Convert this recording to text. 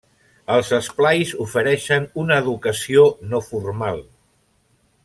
Els esplais ofereixen una educació no formal.